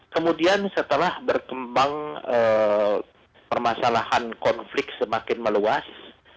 kemudian setelah berkembang permasalahan konflik semakin meluas